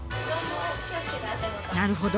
なるほど。